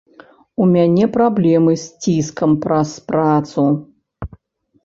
У мяне праблемы з ціскам праз працу.